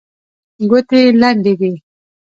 ګوتې لنډې دي.